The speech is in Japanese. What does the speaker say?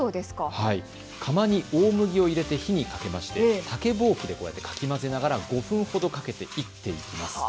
はい、釜に大麦を入れて火にかけまして竹ぼうきでかきまぜながら５分ほどかけていっていきます。